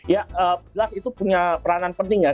ya jelas itu punya peranan penting ya